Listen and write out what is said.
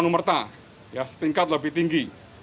pertama anggota anumerta ya setingkat lebih tinggi